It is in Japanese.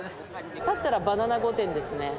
建ったらバナナ御殿ですね。